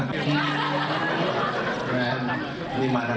ขอบคุณมาก